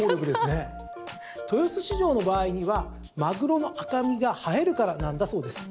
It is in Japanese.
豊洲市場の場合にはマグロの赤身が映えるからなんだそうです。